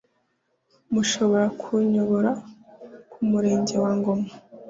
mushobora kunyobora ku murenge wa ngoma